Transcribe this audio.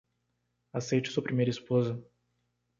Aceite sua primeira esposa.